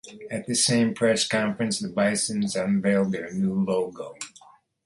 At the same press conference, the Bisons also unveiled their new logo.